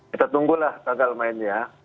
kita tunggulah tanggal mainnya